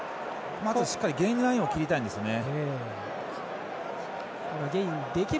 まずしっかりゲインラインを切りたいですね。